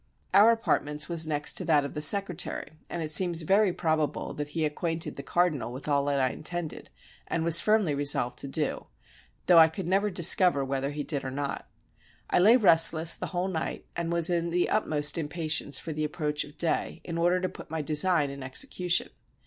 Our apartments was next to that of the secretary, and it seems very probable that he acquainted the cardinal with all that I intended, and was firmly resolved to do; though I could never discover whether he did or not. I lay restless the whole night, and was in the utmost im patience for the approach of day, in order to put my design in execution.